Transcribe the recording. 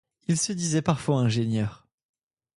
Il se disait parfois ingénieur.